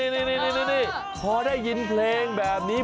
นี่พอได้ยินเพลงแบบนี้